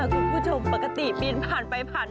สวัสดีค่ะคุณผู้ชมรู้ก่อนร้อนหนาวกับดาวซูเปอร์สดามมาแล้วค่ะ